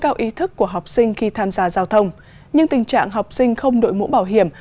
cao ý thức của học sinh khi tham gia giao thông nhưng tình trạng học sinh không đội mũ bảo hiểm